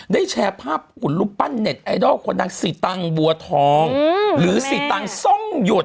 ได้แชร์ภาพขุนรูปปั้นเน็ตไอดอลคนนางศรีตังบัวทองหรือศรีตังทรงหยุด